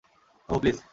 Oh, please!